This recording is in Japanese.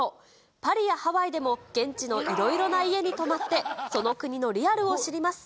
パリやハワイでも、現地のいろいろな家に泊まって、その国のリアルを知ります。